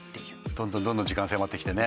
どんどんどんどん時間が迫ってきてね。